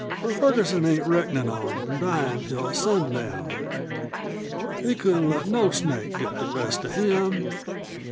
But Ferguson ain't reckonin' on dyin' till sundown. He couldn't let no snake get the best of him."